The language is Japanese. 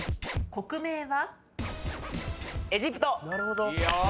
国名は？